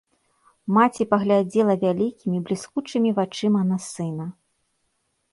Маці паглядзела вялікімі, бліскучымі вачыма на сына.